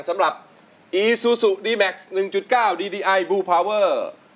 สำหรับอีซูซูดีแม็กซ์หนึ่งจุดเก้าดีดีไอบูลพาเวอร์